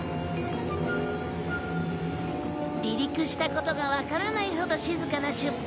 離陸したことがわからないほど静かな出発。